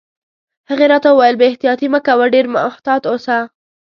هغې راته وویل: بې احتیاطي مه کوه، ډېر محتاط اوسه.